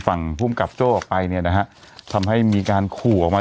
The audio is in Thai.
ฝั่งภูมิกับโจ้ออกไปอย่างนี้นะฮะทำให้มีการคูออกมา